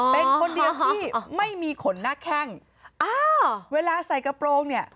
เป็นคนเดียวที่ไม่มีขนหน้าแข้งอ้าวเวลาใส่กระโปรงเนี่ย